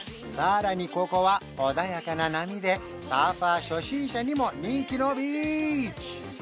さらにここは穏やかな波でサーファー初心者にも人気のビーチ！